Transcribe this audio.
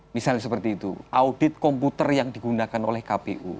misalnya seperti itu audit komputer yang digunakan oleh kpu